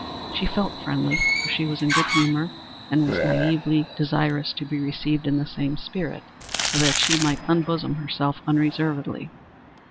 She felt friendly, for she was in good humor, and was naïvely desirous to be received in the same spirit, so that she might unbosom herself unreservedly.